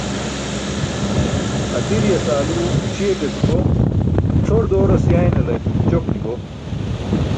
Atiriyas aalu śiyate etubo, cʰor dooras yaynale ćok ni bo.